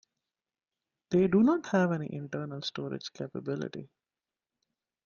They do not have any internal storage capability.